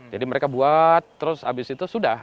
jadi mereka buat terus habis itu sudah